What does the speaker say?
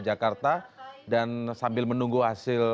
jakarta dan sambil menunggu hasil